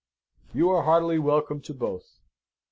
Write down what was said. "You are heartily welcome to both.